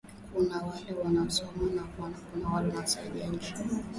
Kuna wale wanao soma nawana saidia inchi